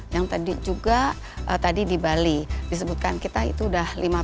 yang tadi juga tadi di bali disebutkan kita itu udah lima belas yang cancel